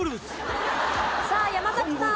さあ山さん。